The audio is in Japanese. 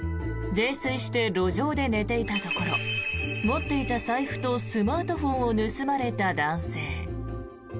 泥酔して路上で寝ていたところ持っていた財布とスマートフォンを盗まれた男性。